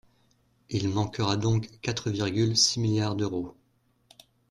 Il manquera donc quatre virgule six milliards d’euros.